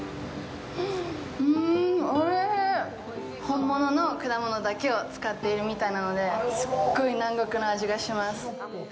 本物の果物だけを使っているみたいなのですっごい南国の味がします。